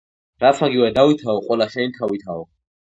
რაც მოგივაო დავითაო ყველა შენი თავითაო